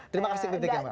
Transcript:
terima kasih pendeknya mbak